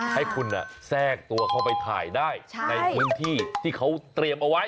ให้คุณแทรกตัวเข้าไปถ่ายได้ในพื้นที่ที่เขาเตรียมเอาไว้